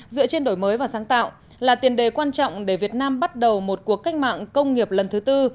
dựa trên đổi mới và sáng tạo là tiền đề quan trọng để việt nam bắt đầu một cuộc cách mạng công nghiệp lần thứ tư